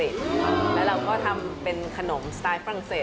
ในภาษาอังกฤษแล้วเราก็ทำเป็นขนมสไตล์ฝรั่งเศส